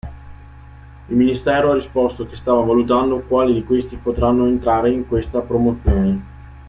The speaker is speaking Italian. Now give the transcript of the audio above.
Il ministero ha risposto che stava valutando quali di questi potranno entrare in questa promozione.